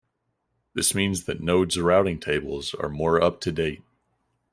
This means that nodes' routing tables are more up-to-date.